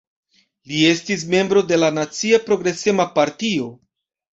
Li estis membro de la Nacia Progresema Partio.